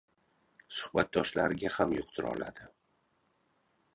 Suhbatdoshlariga ham yuqtira olardi.